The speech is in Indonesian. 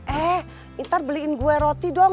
eh ntar beliin gue roti dong